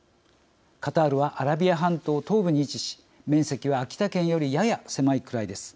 カタールはアラビア半島東部に位置し面積は秋田県より、やや狭いくらいです。